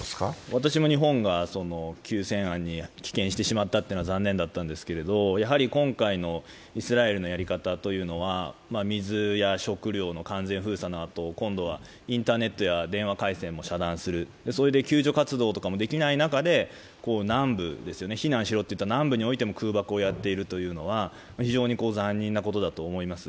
私も日本が休戦案に棄権してしまったというのは残念だったんですけども、やはり今回のイスラエルのやり方というのは水や食糧の完全封鎖など、今度はインターネットや電話回線も遮断する、それで救助活動とかもできない中で避難しろといった南部においても空爆をやっているというのは非常に残忍なことだと思います。